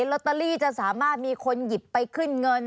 ลอตเตอรี่จะสามารถมีคนหยิบไปขึ้นเงิน